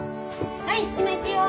はい陽菜行くよ。